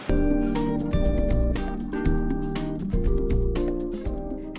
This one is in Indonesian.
kemudian dia bisa mengejar apa yang dia mimpikan